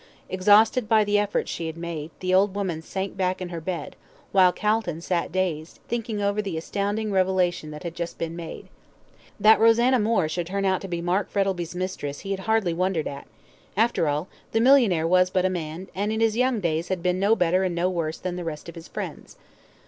Exhausted by the efforts she had made, the old woman sank back in her bed, while Calton sat dazed, thinking over the astounding revelation that had just been made. That Rosanna Moore should turn out to be Mark Frettlby's mistress he hardly wondered at; after all, the millionaire was but a man, and in his young days had been no better and no worse than the rest of his friends.